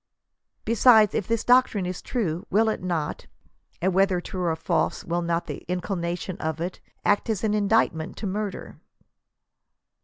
Besides, if this doc trine is true, will it not — and whether true or false, will not the inculcation of it — act as an inducement to murder